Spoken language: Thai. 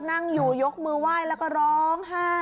นั่งอยู่ยกมือไหว้แล้วก็ร้องไห้